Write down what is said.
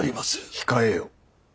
控えよ。